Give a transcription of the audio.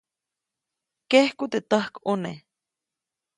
Kejku teʼ täjkʼune.